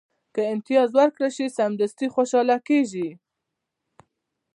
که امتیاز ورکړل شي، سمدستي خوشاله کېږي.